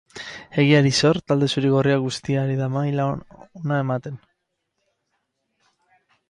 Egiari zor, talde zuri-gorria guztia ari da maila ona ematen.